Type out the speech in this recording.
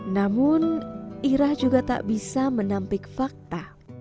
namun irah juga tak bisa menampik fakta